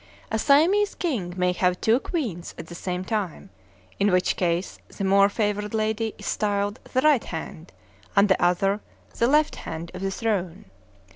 A Siamese king may have two queens at the same time; in which case the more favored lady is styled the "right hand," and the other the "left hand," of the throne.